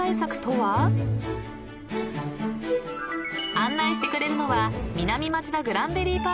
［案内してくれるのは］